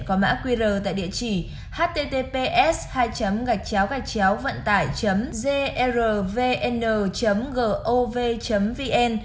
có mã qr tại địa chỉ https hai gachao gachao vantai grvn gov vn